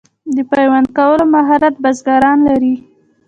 د پیوند کولو مهارت بزګران لري.